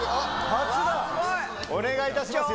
初だ・お願いいたしますよ。